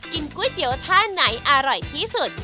ก๋วยเตี๋ยวท่าไหนอร่อยที่สุด